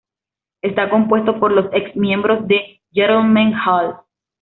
Está compuesto por los ex-miembros de Gentlemen Hall.